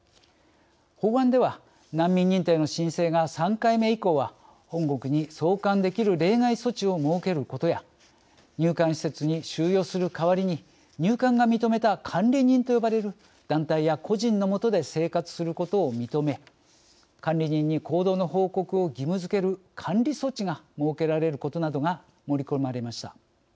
法案では難民認定の申請が３回目以降は本国に送還できる例外措置を設けることや入管施設に収容する代わりに入管が認めた監理人と呼ばれる団体や個人の下で生活することを認め監理人に行動の報告を義務づける監理措置が設けられることなどが盛り込まれました。